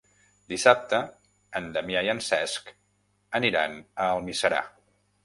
Dissabte en Damià i en Cesc aniran a Almiserà.